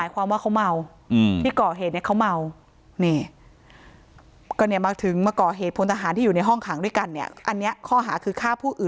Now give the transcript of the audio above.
ความว่าเขาเมาที่เกา